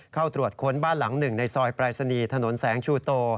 เข้าตรวจค้นบ้านหลังหนึ่งในซอยปรายศนีย์ถนนแสงชูโต